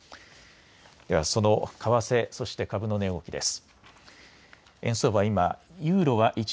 ではその為替、そして株の値動きです。